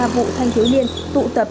một mươi ba vụ thanh thiếu liên tụ tập